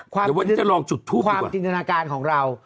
เดี๋ยวว่าจะลองจุดทุบดีกว่าความจินตนาการของเรา